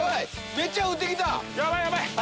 めっちゃ降ってきた。